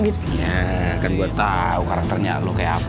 iya kan gua tau karakternya lo kayak ap